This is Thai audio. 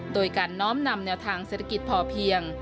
โดยการน้อมนำแนวทางเศรษฐกิจพอเพียง